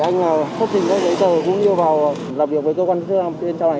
nhưng không hề có giấy tờ tùy thân